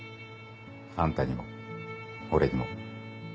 あんたにも俺にも。